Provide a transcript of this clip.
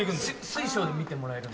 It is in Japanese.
水晶で見てもらえる？